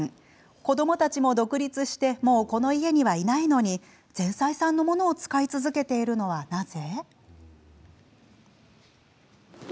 子どもたちも独立してもうこの家にはいないのに前妻さんのものを使い続けているのは、なぜ？